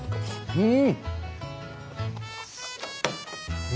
うん！